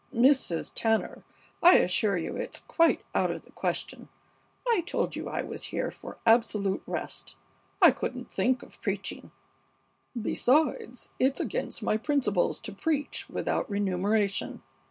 Mrs. Tanner, I assure you it's quite out of the question. I told you I was here for absolute rest. I couldn't think of preaching. Besides, it's against my principles to preach without remuneration.